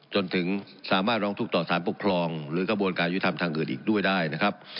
จนถึงสามารถร้องทุกข์ต่อสารปกครองหรือกระบวนการยุทธรรมทางอื่นอีกด้วยได้นะครับ